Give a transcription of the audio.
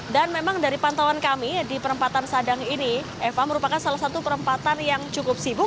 dan memang dari pantauan kami di perempatan sadang ini eva merupakan salah satu perempatan yang cukup sibuk